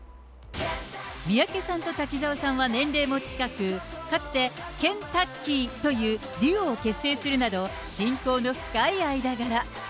三宅さんと滝沢さんは年齢も近く、かつてケン・タッキーというデュオを結成するなど、親交の深い間柄。